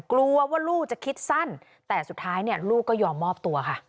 กลัวว่าลูกจะคิดสั้นแต่สุดท้ายเนี่ยลูกก็ยอมมอบตัวค่ะ